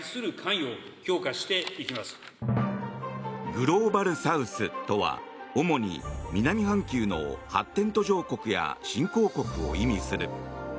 グローバルサウスとは主に、南半球の発展途上国や新興国を意味する。